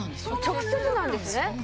直接なんですね。